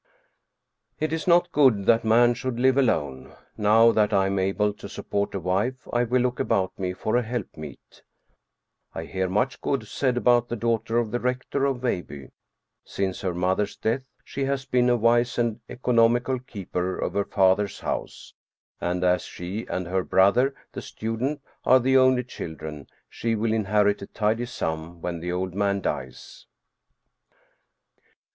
It is not good that man should live alone. Now that I am able to support a wife I will look about me for a help meet. I hear much good said about the daughter of the Rector of Veilbye. Since her mother's death she has been a wise and economical keeper of her father's house. And 278 Steen Steensen Blicher as she and her brother the student are the only children, she will inherit a tidy sum when the old man dies.